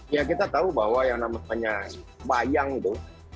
ya kita tahu bahwa yang namanya bayang itu